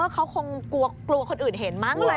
เขาคงกลัวคนอื่นเห็นมั้งเลย